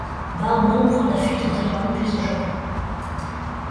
Ba Maw prend la fuite en Thaïlande, puis au Japon.